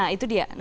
nah itu dia